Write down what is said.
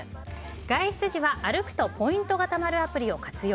外出時は歩くとポイントがたまるアプリを活用。